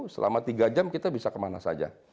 selama tiga jam kita bisa kemana saja